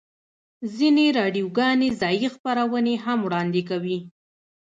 ځینې راډیوګانې ځایی خپرونې هم وړاندې کوي